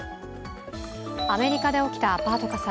アメリカで起きたアパート火災。